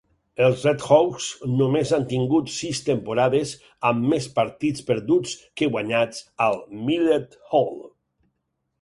Els RedHawks només han tingut sis temporades amb mes partits perduts que guanyats al Millett Hall.